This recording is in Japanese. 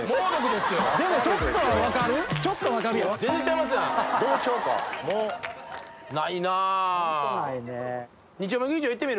でもちょっとは分かる？